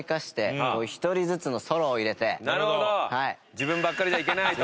自分ばっかりじゃいけないと。